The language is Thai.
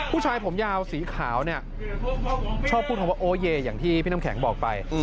ผู้ชายผมยาวสีขาวเนี่ยชอบพูดคำว่าโอเยอย่างที่พี่น้ำแข็งบอกไป